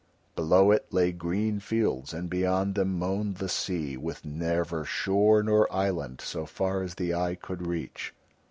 Below it lay green fields and beyond them moaned the sea with never shore nor island so far as the eye could reach.